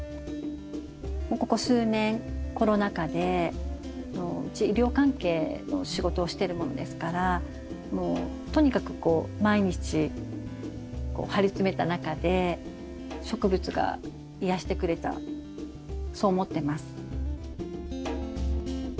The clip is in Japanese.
ここ数年コロナ禍でうち医療関係の仕事をしてるものですからもうとにかくこう毎日張り詰めた中で植物が癒やしてくれたそう思ってます。